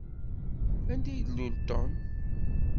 Anda ay d-ilul Tom?